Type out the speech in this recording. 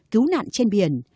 cứu nạn trên biển